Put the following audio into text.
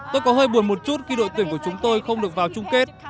tôi có hơi buồn một chút khi đội tuyển của chúng tôi không được vào chung kết